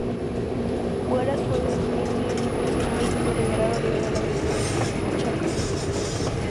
Bueras fue descubierto y hecho prisionero, siendo liberado luego de la victoria de Chacabuco.